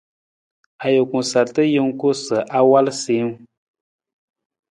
Ajuku sarta jungku sa awal siiwung.